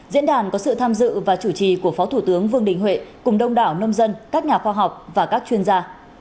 diễn đàn có sự tham dự và chủ trì của phó thủ tướng vương đình huệ cùng đông đảo nông dân các nhà khoa học và các chuyên gia